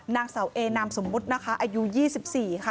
นางสาวเอนามสมมุตินะคะอายุ๒๔ค่ะ